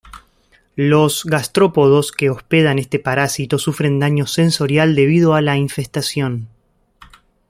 Los gastrópodos que hospedan este parásito, sufren daño sensorial debido a la infestación.